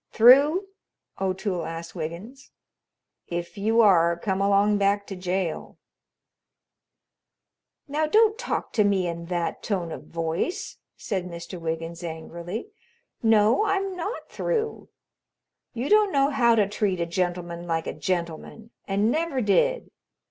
"Through?" O'Toole asked Wiggins. "If you are, come along back to jail." "Now, don't talk to me in that tone of voice," said Mr. Wiggins angrily. "No, I'm not through. You don't know how to treat a gentleman like a gentleman, and never did."